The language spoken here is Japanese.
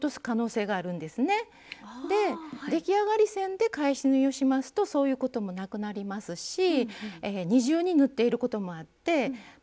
出来上がり線で返し縫いをしますとそういうこともなくなりますし二重に縫っていることもあってバッグの強度がアップします。